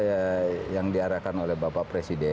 jadi kalau menurut apa yang diarahkan oleh bapak presiden